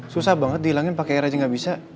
susah banget dihilangin pakai air aja nggak bisa